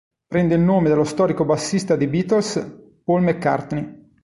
Prende il nome dallo storico bassista dei Beatles, Paul McCartney.